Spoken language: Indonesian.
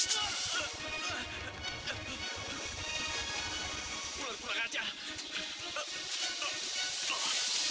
dipatok ular deh